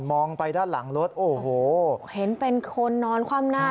มองไปด้านหลังรถโอ้โหเห็นเป็นคนนอนคว่ำหน้า